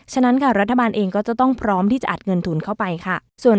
ฉะนั้นค่ะรัฐบาลเองก็จะต้องพร้อมที่จะอัดเงินทุนเข้าไปค่ะ